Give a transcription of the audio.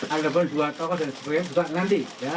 ada pun dua toko dan satu proyek juga nanti